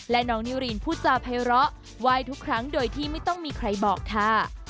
และน้องนิวรีนพูดจาภัยร้อไหว้ทุกครั้งโดยที่ไม่ต้องมีใครบอกค่ะ